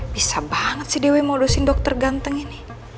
bisa banget sih dewi mau lulusin dokter ganteng ini